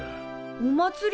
おまつり？